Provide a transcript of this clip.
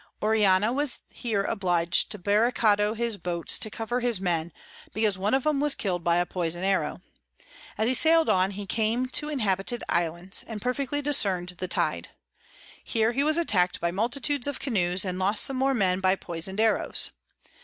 Orellana was here oblig'd to barricade his Boats to cover his Men, because one of 'em was kill'd by a poison'd Arrow. As he sail'd on, he came to inhabited Islands, and perfectly discern'd the Tide. Here he was attack'd by multitudes of Canoes, and lost some more Men by poison'd Arrows.